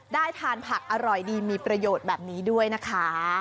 ได้ทานผักอร่อยดีมีประโยชน์แบบนี้ด้วยนะคะ